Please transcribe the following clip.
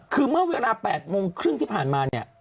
คือเมื่อเวลา๘๓๐ที่ผ่านมา